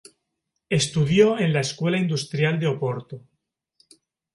Estudió en la Escuela Industrial de Oporto.